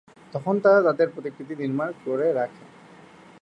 তখন তারা তাদের প্রতিকৃতি নির্মাণ করে রাখে।